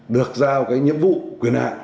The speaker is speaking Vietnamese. được giao cái nhiệm vụ quyền hạ